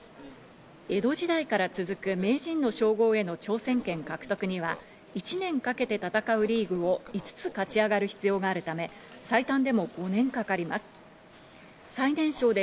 江戸時代から続く名人の称号への挑戦権獲得には１年かけて戦うリーグを５つ勝ち上がる必要があるため、最短でも５年かかります。